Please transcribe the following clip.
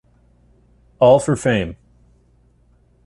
'All for Fame.